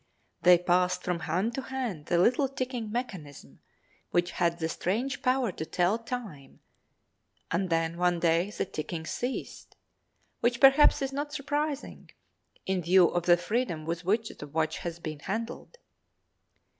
They passed from hand to hand the little ticking mechanism which had the strange power to tell time, and then one day the ticking ceased, which perhaps is not surprising, in view of the freedom with which the watch had been handled.